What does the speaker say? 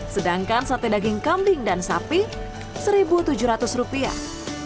sedangkan sate daging kambing dan sapi satu tujuh ratus rupiah